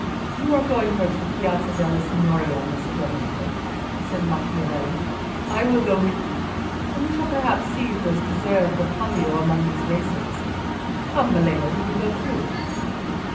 "You are going towards the Piazza della Signoria, Messer Domenico," said Macchiavelli. "I will go with you, and we shall perhaps see who has deserved the palio among these racers. Come, Melema, will you go too?"